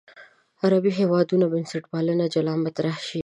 د عربي هېوادونو بنسټپالنه جلا مطرح شي.